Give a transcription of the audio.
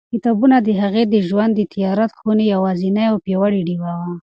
کتابونه د هغې د ژوند د تیاره خونې یوازینۍ او پیاوړې ډېوه وه.